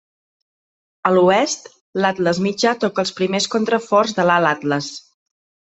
A l'oest, l'Atles Mitjà toca els primers contraforts de l'Alt Atles.